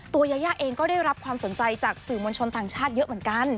ยายาเองก็ได้รับความสนใจจากสื่อมวลชนต่างชาติเยอะเหมือนกัน